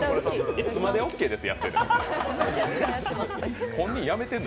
いつまでオッケーですやってんの。